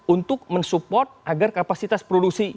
untuk mensupport agar kapasitas produksi